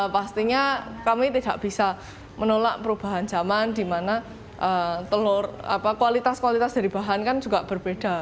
pastinya kami tidak bisa menolak perubahan zaman di mana telur kualitas kualitas dari bahan kan juga berbeda